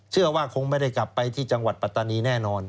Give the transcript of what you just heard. เชื่อว่าคงไม่ได้กลับไปที่จังหวัดปัตตานีแน่นอน